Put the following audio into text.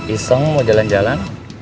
iseng mau jalan jalan